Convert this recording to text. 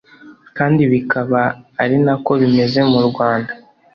kandi ibi akaba ari na ko bimeze mu rwanda